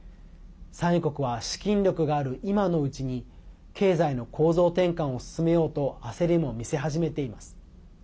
産油国は資金力がある今のうちに経済の構造転換を進めようと焦りも見せ始めています。